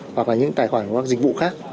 hoặc là những tài khoản các dịch vụ khác